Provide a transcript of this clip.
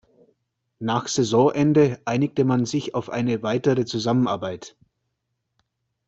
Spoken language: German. Nach Saisonende einigte man sich auf eine weitere Zusammenarbeit.